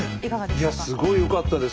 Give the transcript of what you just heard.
いやすごいよかったです。